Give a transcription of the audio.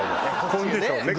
コンディションね。